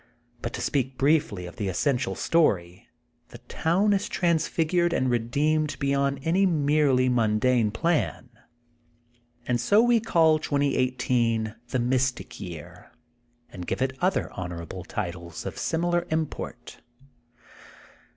But to speak briefly of the essential story, the town is transfigured and redeemed beyond any merely mundane plan. And so we call 2018 the Mystic Year, and give it other honorable titles of similar import.